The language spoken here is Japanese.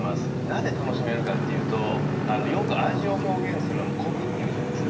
なぜ楽しめるかっていうとよく味を表現するのにコクっていうじゃないですか。